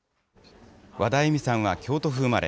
ワダエミさんは京都府生まれ。